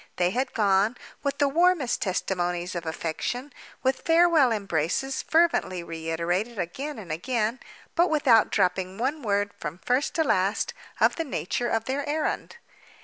They had gone—with the warmest testimonies of affection, with farewell embraces fervently reiterated again and again—but without dropping one word, from first to last, of the nature of their errand.